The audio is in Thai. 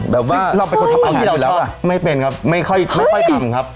เราไปคนทำงานก็ไม่เป็นครับไม่ค่อยคำครับ